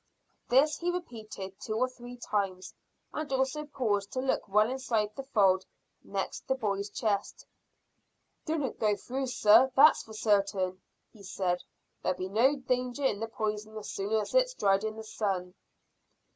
This he repeated two or three times, and also paused to look well inside the fold next the boy's chest. "Didn't go through, sir; that's for certain," he said. "There'll be no danger in the poison as soon as it's dried in the sun."